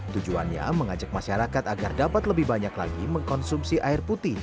tujuannya mengajak masyarakat agar dapat lebih banyak lagi mengkonsumsi air putih